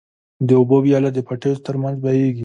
د اوبو وياله د پټيو تر منځ بهيږي.